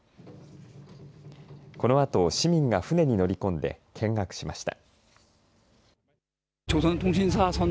このあと、市民が船に乗り込んで見学しました。